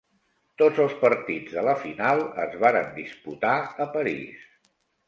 Tots els partits de la final es varen disputar a París.